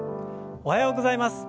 おはようございます。